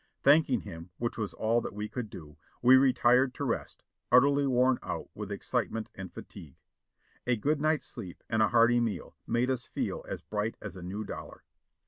Thanking him, which was all that we could do, we retired to rest, utterly worn out with excitement and fatigue. A good night's sleep and hearty meal made us feel as bright as a new dollar.